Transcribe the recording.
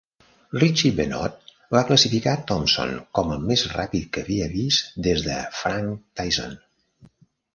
Richie Benaud va classificar Thomson com el més ràpid que havia vist des de Frank Tyson.